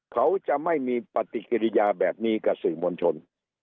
เขาจะไม่มีปฏิกิริยาแบบนี้กับสื่อมวลชน